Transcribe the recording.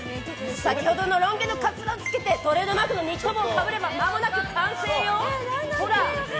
先ほどのロン毛のカツラを着けてトレードマークのニット帽をかぶればまもなく完成よ！